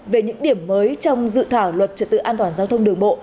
về những điểm mới trong dự thảo luật trật tự an toàn giao thông đường bộ